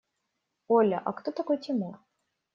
Оля, а кто такой Тимур?